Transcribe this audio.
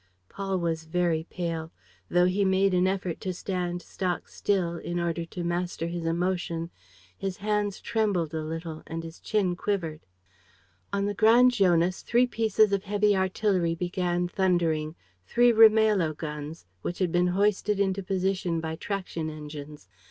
Paul was very pale. Though he made an effort to stand stock still, in order to master his emotion, his hands trembled a little and his chin quivered. On the Grand Jonas, three pieces of heavy artillery began thundering, three Rimailho guns, which had been hoisted into position by traction engines.